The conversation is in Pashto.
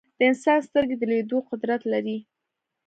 د انسان سترګې د لیدلو قدرت لري.